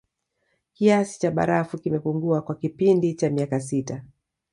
Kiasi cha barafu kimepungua kwa kipindi cha miaka sita